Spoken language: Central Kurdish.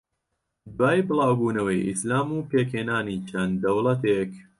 دوای بڵاوبونەوەی ئیسلام و پێکھێنانی چەند دەوڵەتێک